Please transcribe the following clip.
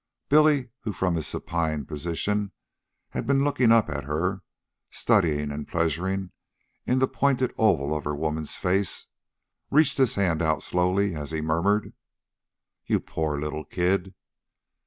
Billy, who from his supine position had been looking up at her, studying and pleasuring in the pointed oval of her woman's face, reached his hand out slowly as he murmured: "You poor little kid."